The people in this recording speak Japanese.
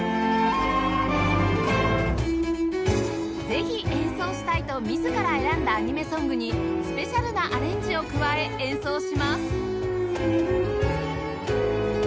ぜひ演奏したいと自ら選んだアニメソングにスペシャルなアレンジを加え演奏します